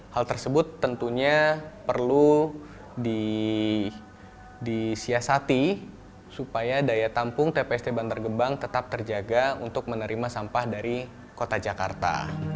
hal tersebut tentunya perlu disiasati supaya daya tampung tpst bantar gebang tetap terjaga untuk menerima sampah dari kota jakarta